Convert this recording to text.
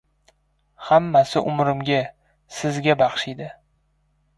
Hammasi umrimga, sizga baxshida.